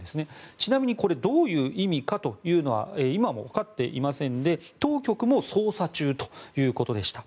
ちなみにこれどういう意味かというのは今もわかっていませんで当局も調査中ということでした。